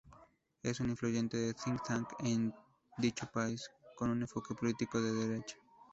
Es un influyente "think tank" en dicho país, con un enfoque político de derecha.